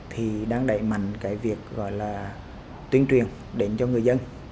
thì đang đẩy mạnh cái việc gọi là tuyên truyền đến cho người dân